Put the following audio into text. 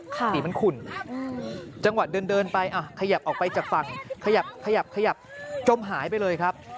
สีมันขุ่นจังหวะเดินไปขยับออกไปจากฝั่งขยับขยับจมหายไปเลยครับ